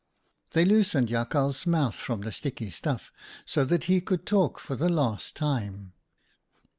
" They loosened Jakhal's mouth from the sticky stuff, so that he could talk for the last time.